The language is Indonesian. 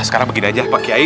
sekarang begini aja pak kiai